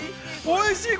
◆おいしい。